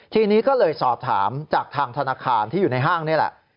ทีนี้ก็เลยสอบถามจากทางธนาคารที่อยู่ในห้างนี่แหละ